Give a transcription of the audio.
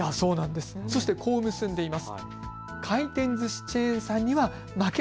そして、こう結んでいます。